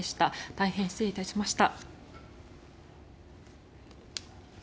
大変失礼いたしました。